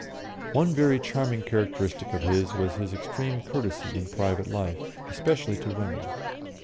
One very charming characteristic of his was his extreme courtesy in private life, especially to women.